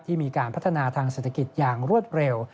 มีการพัฒนาทางเศรษฐกิจอย่างรวดเร็ว